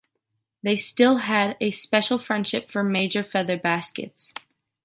They still had a special friendship for major feather baskets.